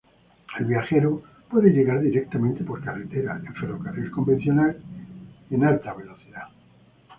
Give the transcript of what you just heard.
El viajero puede llegar directamente por carretera, en ferrocarril convencional y en alta velocidad.